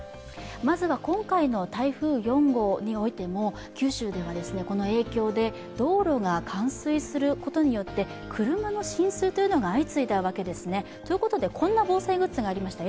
まずは今回の台風４号においても九州ではこの影響で道路が冠水することによって車の浸水というのが相次いだわけですね。ということで、こんな防災グッズがありました。